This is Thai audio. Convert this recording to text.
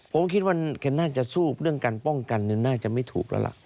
ผมคิดว่าแกน่าจะสู้เรื่องการป้องกันน่าจะไม่ถูกแล้วล่ะ